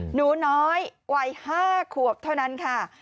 หนูน้อยวัย๕ขวบเท่านั้นค่ะ